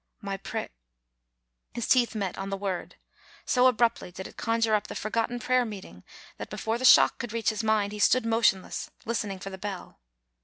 "My pray —" His teeth met on the word; so abruptly did it conjure up the forgotten prayer meeting that before the shock could reach his mind he stood motionless, listening for the bell.